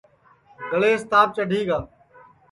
گݪیس تاپ چڈھی گا